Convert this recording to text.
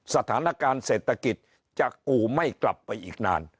สถานการณ์เศรษฐกิจจากอู่ไม่กลับไปอีกนาน